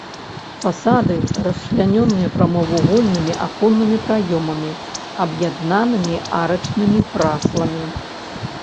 Фасады расчлянёны прамавугольнымі аконнымі праёмамі, аб'яднанымі арачнымі прасламі.